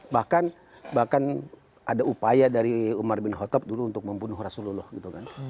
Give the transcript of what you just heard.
bahkan ada upaya dari umar bin khattab dulu untuk membunuh rasulullah gitu kan